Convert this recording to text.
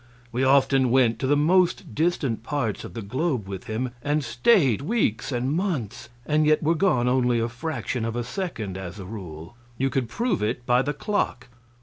We often went to the most distant parts of the globe with him, and stayed weeks and months, and yet were gone only a fraction of a second, as a rule. You could prove it by the clock.